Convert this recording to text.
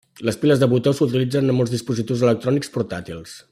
Les piles de botó s'utilitzen en molts dispositius electrònics portàtils.